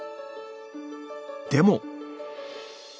でも。